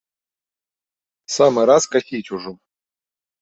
Самы раз касіць ужо.